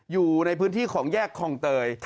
อยู่ในพื้นที่ของแยกคลองเตย